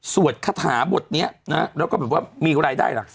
สวดคาถาบทนี้นะ